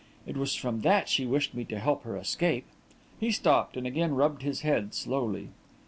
It was from that she wished me to help her to escape." He stopped and again rubbed his head slowly.